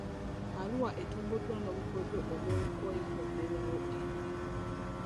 Arua etumbuddwa n'obukodyo obw'okwetonderawo emirimu .